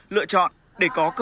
lựa chọn để có cơ hội phát triển